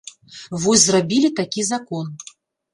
Вось зрабілі такі закон.